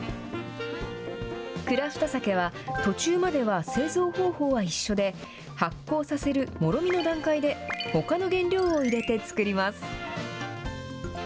クラフトサケは途中までは製造方法は一緒で、発酵させるもろみの段階で、ほかの原料を入れて造ります。